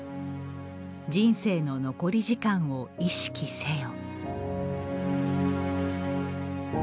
「人生の残り時間を意識せよ」